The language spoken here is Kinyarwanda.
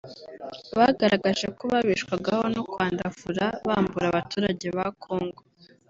Bagaragaje ko babeshwagaho no kwandavura bambura abaturage ba Congo